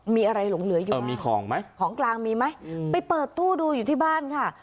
มีอะไรหลงเหลืออยู่เออมีของไหมของกลางมีไหมไปเปิดตู้ดูอยู่ที่บ้านค่ะ